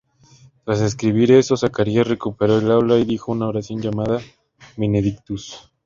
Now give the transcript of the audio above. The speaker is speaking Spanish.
Tras escribir eso, Zacarías recuperó el habla y dijo una oración llamada "Benedictus".